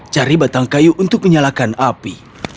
cari batang kayu untuk menyalakan api